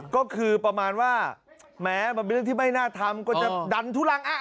ก็คือประมาณว่าแม้มันมีที่ไม่น่าทำออแดนทุลาง